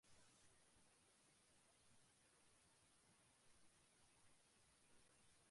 শর্মার রচনাবলি হিন্দুধর্ম, ধর্মের দর্শনের উপর আলোকপাত করে।